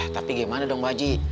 tapi gimana dong baji